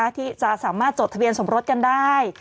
ที่จะสามารถจดทะเบียนสมรสกันได้